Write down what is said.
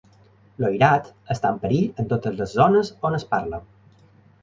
L'oirat està en perill en totes les zones on es parla.